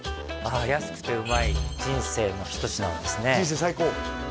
安くてうまい人生の一品ですね